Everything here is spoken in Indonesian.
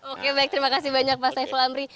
oke baik terima kasih banyak pak saiful amri